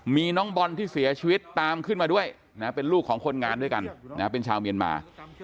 มีน้องบอลที่เสียชีวิตตามขึ้นมาด้วยนะเป็นลูกของคนงานด้วยกันเป็นชาวเมียนมา